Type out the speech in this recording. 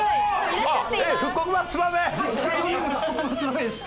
復刻版ツバメです。